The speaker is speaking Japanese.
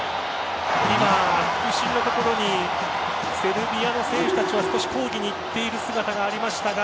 今、副審のところにセルビアの選手たちが少し抗議に行っている姿がありましたが。